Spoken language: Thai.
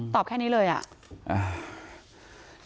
แค่นี้เลยอ่ะ